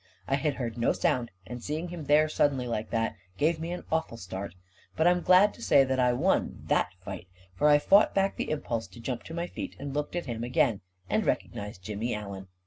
I had heard no sound, and seeing him there suddenly like that gave me an awful start; but I am glad to say that I won that fight, for I fought back the impulse to jump to * my feet, and looked at him again — and recognized Jimmy Allen.